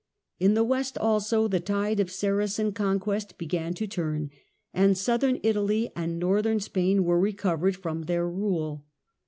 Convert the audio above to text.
In the west also the tide of Sara cen conquest began to turn, and Southern Italy and Xorthorn Spain were recovered from their rule.